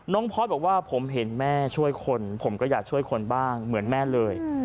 พอร์ตบอกว่าผมเห็นแม่ช่วยคนผมก็อยากช่วยคนบ้างเหมือนแม่เลย